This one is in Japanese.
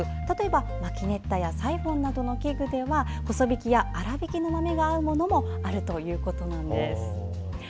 例えば、マキネッタやサイフォンなどの器具では細びきや粗びきの豆が合うものもあるということなんです。